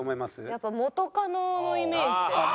やっぱ元カノのイメージですか？